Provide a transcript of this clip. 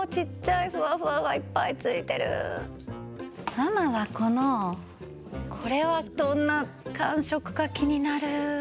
ママはこのこれはどんなかんしょくかきになる。